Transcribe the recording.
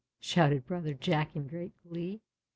shouted brother Jack in great glee.